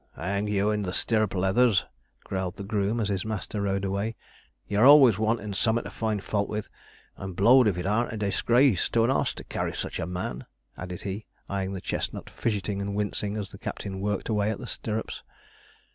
'Hang you and the stirrup leathers,' growled the groom, as his master rode away; 'you're always wantin' sumfin to find fault with. I'm blowed if it arn't a disgrace to an oss to carry such a man,' added he, eyeing the chestnut fidgeting and wincing as the captain worked away at the stirrups.